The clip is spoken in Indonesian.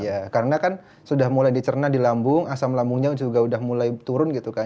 ya karena kan sudah mulai dicerna di lambung asam lambungnya juga sudah mulai turun gitu kan